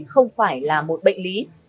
không phải là một bệnh lý